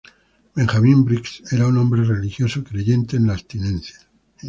Benjamin Briggs era un hombre religioso creyente en la abstinencia.